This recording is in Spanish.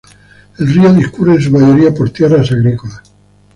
El río discurre en su mayoría por tierras agrícolas.